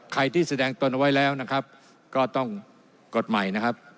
ใครที่แสดงตนเอาไว้แล้วนะครับก็ต้องกดใหม่นะครับ